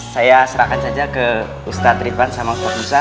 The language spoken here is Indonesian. saya serahkan saja ke ustadz ridwan sama ustadz musa